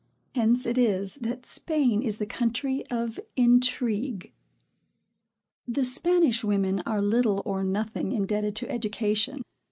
Hence it is that Spain is the country of intrigue. The Spanish women are little or nothing indebted to education.